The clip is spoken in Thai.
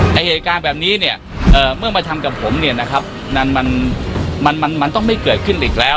เหตุการณ์แบบนี้เนี่ยเมื่อมาทำกับผมเนี่ยนะครับมันมันต้องไม่เกิดขึ้นอีกแล้ว